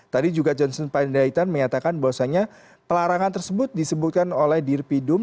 tadi juga johnson panjaitan menyatakan bahwasannya pelarangan tersebut disebutkan oleh dirpidum